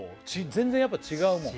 全然やっぱ違うもん？